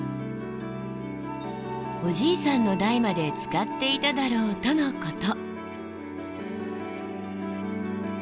おじいさんの代まで使っていただろうとのこと。